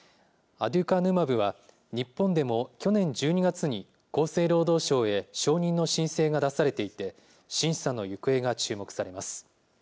アデュカヌマブは、日本でも去年１２月に厚生労働省へ承認の申請が出されていて、審査の行方が注目されます。